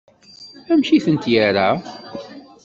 Amek i tent-yerra?